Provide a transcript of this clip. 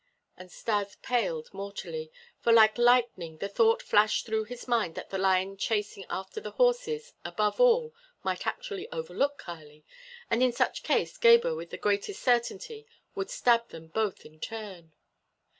And Stas paled mortally, for like lightning the thought flashed through his mind that the lion chasing after the horses above all might actually overlook Kali, and in such case Gebhr with the greatest certainty would stab them both in turn.